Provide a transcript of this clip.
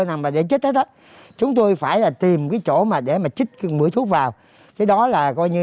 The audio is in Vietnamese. nào mà để chích hết đó chúng tôi phải là tìm cái chỗ mà để mà chích mũi thuốc vào thế đó là coi như